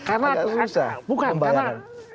agak susah pembayaran